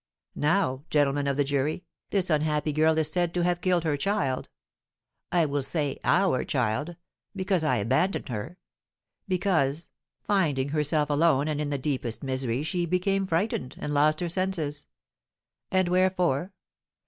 'Now, gentlemen of the jury, this unhappy girl is said to have killed her child, I will say our child, because I abandoned her; because, finding herself alone and in the deepest misery, she became frightened, and lost her senses! And wherefore?